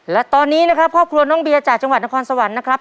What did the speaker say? และตอนนี้นะครับครอบครัวน้องเบียจากจังหวัดนครสวรรค์นะครับ